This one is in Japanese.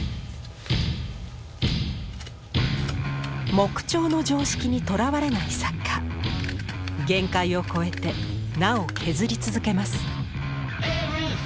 木彫の常識にとらわれない作家限界を超えてなお削り続けます。